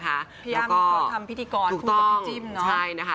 พี่อ้ามมีความทำพิธีกรพูดกับพี่จิ้มเนอะถูกต้องใช่นะคะ